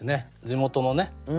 地元のね